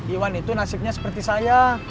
iwan itu nasibnya seperti saya